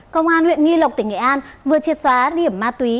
công an huyện nghi lộc tỉnh nghệ an vừa triệt xóa điểm ma túy